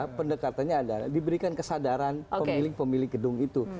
jadi pendekatannya adalah diberikan kesadaran pemilik pemilik gedung itu